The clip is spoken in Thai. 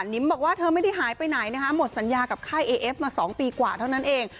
นิมบอกว่าเธอไม่ได้หายไปไหนนะคะหมดสัญญากับค่ายเอเอฟมา๒ปีกว่าเท่านั้นเอง